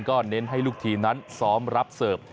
ก็เน้นให้ลูกทีมนั้นซ้อมรับเสิร์ฟ